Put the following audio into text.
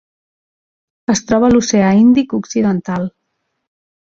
Es troba a l'oceà Índic occidental: